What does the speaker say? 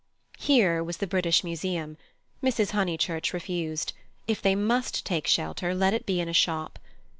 "Here" was the British Museum. Mrs. Honeychurch refused. If they must take shelter, let it be in a shop.